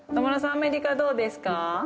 アメリカどうですか？